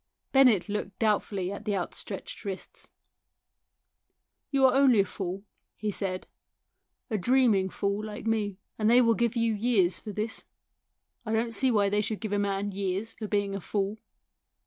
Bennett looked doubtfully at the out stretched wrists. "You are only a fool," he said, " a dreaming fool like me, and they will give you years for this. I don't see why they should give a man years for being a fool."